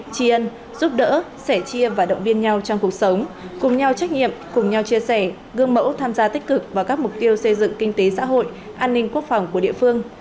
chi ân giúp đỡ sẻ chia và động viên nhau trong cuộc sống cùng nhau trách nhiệm cùng nhau chia sẻ gương mẫu tham gia tích cực vào các mục tiêu xây dựng kinh tế xã hội an ninh quốc phòng của địa phương